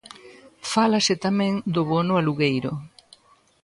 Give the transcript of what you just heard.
Fálase tamén do bono alugueiro.